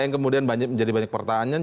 yang kemudian menjadi banyak pertanyaan